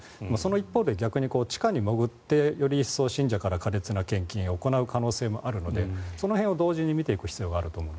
一方で逆に地下に潜ってより一層信者から苛烈な献金を行うこともあるのでその辺を同時に見ていく必要があると。